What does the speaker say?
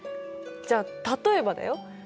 じゃあ例えばだよ